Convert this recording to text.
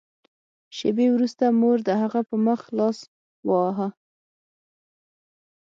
شېبې وروسته مور د هغه په مخ لاس وواهه